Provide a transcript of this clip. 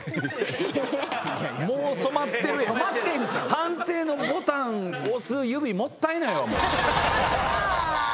判定のボタン押す指もったいないわ。